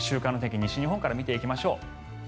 西日本から見ていきましょう。